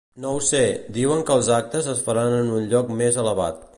No ho sé, diuen que els actes es faran en un lloc més elevat.